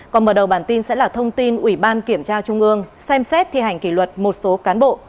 còn mở đầu bản tin sẽ là thông tin ủy ban kiểm tra trung ương xem xét thi hành kỷ luật một số cán bộ